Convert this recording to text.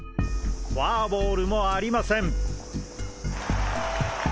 フォアボールもありません。